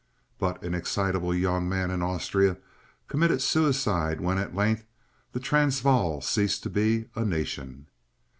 (But an excitable young man in Austria committed suicide when at length the Transvaal ceased to be a "nation.")